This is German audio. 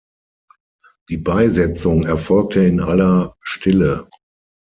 Die Beisetzung erfolgte in aller Stille.